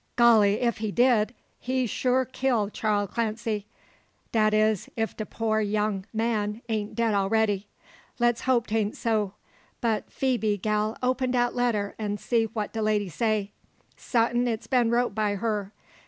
Golly! ef he did, he shoo kill Charl Clancy; dat is, if de poor young man ain't dead arready. Le's hope 'tain't so. But, Phoebe, gal, open dat letter, an' see what de lady say. Satin it's been wrote by her.